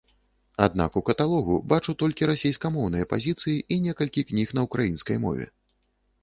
Аднак у каталогу бачу толькі расейскамоўныя пазіцыі і некалькі кніг на ўкраінскай мове.